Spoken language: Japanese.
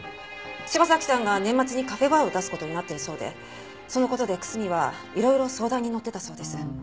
柴崎さんが年末にカフェバーを出す事になってるそうでその事で楠見はいろいろ相談にのってたそうです。